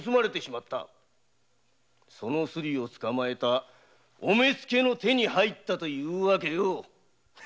そのすりを捕まえたお目付の手に入ったというわけよ。